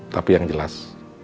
tapi yang jelas